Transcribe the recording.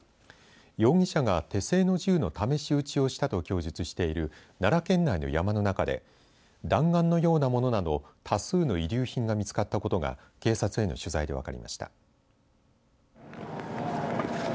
容疑者が手製の銃の試し撃ちをしたと供述している奈良県内の山の中で弾丸のようなものなど多数の遺留品が見つかったことが警察への取材で分かりました。